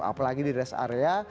apalagi di res area